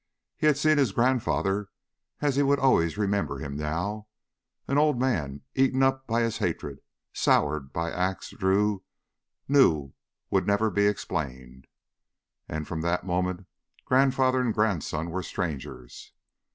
He had seen his grandfather as he would always remember him now, an old man eaten up by his hatred, soured by acts Drew knew would never be explained. And from that moment, grandfather and grandson were strangers.